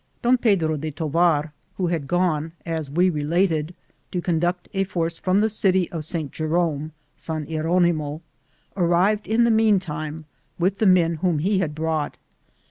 Don Pedro de Tovar, who had gone, as we related, to conduct a force from the city of Saint Jerome (San Hieronimo), arrived in the meantime with the men whom he had brought.